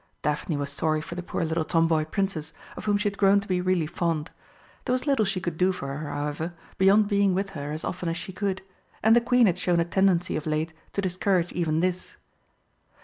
Daphne was sorry for the poor little tomboy Princess, of whom she had grown to be really fond. There was little she could do for her, however, beyond being with her as often as she could; and the Queen had shown a tendency of late to discourage even this.